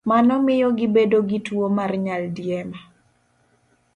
Mano miyo gibedo gi tuwo mar nyaldiema.